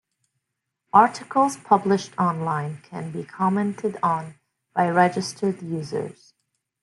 Articles published online can be commented on by registered users.